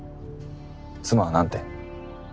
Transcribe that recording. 妻は何て？